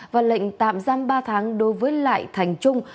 và lệnh tạm giam ba tháng đối với lại thành trung